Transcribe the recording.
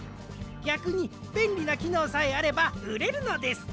ぎゃくにべんりなきのうさえあればうれるのです。